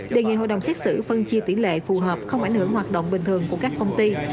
đề nghị hội đồng xét xử phân chia tỷ lệ phù hợp không ảnh hưởng hoạt động bình thường của các công ty